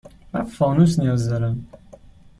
من فانوس نیاز دارم.